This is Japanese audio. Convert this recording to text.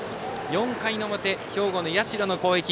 ４回表、兵庫の社の攻撃。